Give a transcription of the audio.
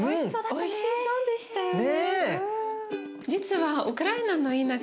おいしそうでしたよね。